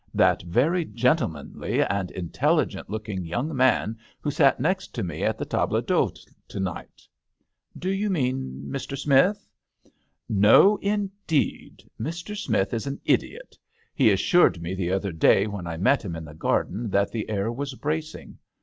" That very gentlemanly and intelligent looking young man who sat next to me at the table d'hote to night." " Do you mean Mr. Smith ?"" No, indeed. Mr. Smith is an idiot : he assured me the other day when I met him in the garden that the air was bracing.